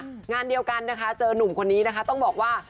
งานเดียวกันนะคะเจอนุ่มคนนี้นะคะต้องบอกว่า